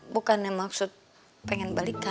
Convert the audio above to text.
bukan maksud pengen balik